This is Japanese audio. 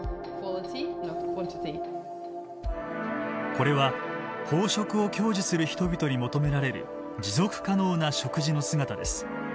これは飽食を享受する人々に求められる持続可能な食事の姿です。